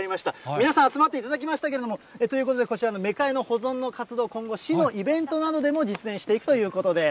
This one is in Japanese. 皆さん、集まっていただきましたけれども、ということで、こちらのメカイの保存の活動、今後、市のイベントなどでも実演していくということです。